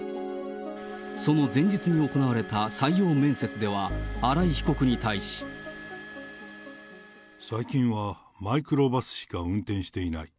その前日に行われた採用面接では、荒井被告に対し。最近はマイクロバスしか運転していない。